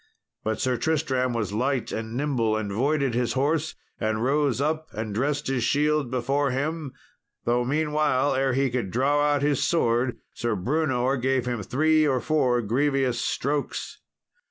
But Sir Tristram was light and nimble, and voided his horse, and rose up and dressed his shield before him, though meanwhile, ere he could draw out his sword, Sir Brewnor gave him three or four grievous strokes.